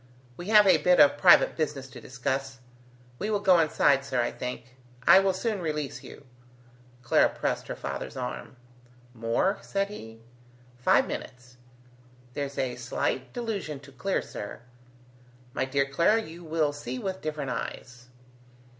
We have a bit of private business to discuss. We will go inside, sir, I think. I will soon release you." Clara pressed her father's arm. "More?" said he. "Five minutes. There's a slight delusion to clear, sir. My dear Clara, you will see with different eyes."